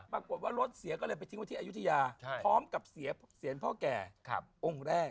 ปรากฏว่ารถเสียล็ไปทิ้งไว้อุทิยาพร้อมกับเสียงพ่อแกอ้งแรก